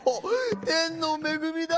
天のめぐみだ！